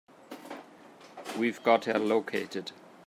We've got her located.